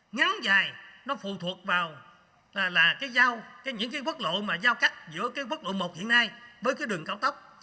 ngắn dài nó phụ thuộc vào những quốc lộ mà giao cắt giữa quốc lộ một hiện nay với đường cao tốc